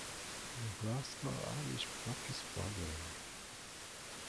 Nebraska Amish practice bundling.